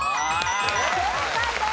正解です。